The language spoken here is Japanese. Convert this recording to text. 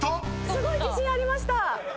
すごい自信ありました！